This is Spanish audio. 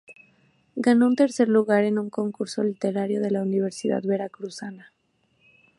Ganó un tercer lugar en un concurso literario de la Universidad Veracruzana.